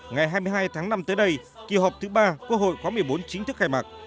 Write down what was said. ngày hai mươi hai tháng năm tới đây kỳ họp thứ ba quốc hội khóa một mươi bốn chính thức khai mạc